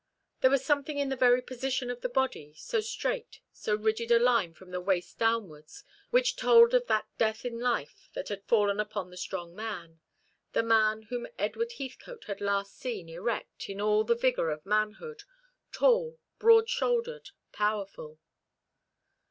There was something in the very position of the body, so straight, so rigid a line from the waist downwards, which told of that death in life that had fallen upon the strong man; the man whom Edward Heathcote had last seen erect, in all the vigour of manhood, tall, broad shouldered, powerful.